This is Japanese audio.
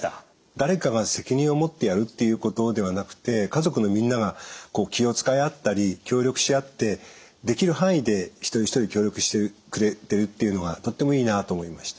誰かが責任を持ってやるっていうことではなくて家族のみんなが気を遣い合ったり協力し合ってできる範囲で一人一人協力してくれてるっていうのはとってもいいなと思いました。